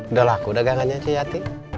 udah laku dagangannya ciyati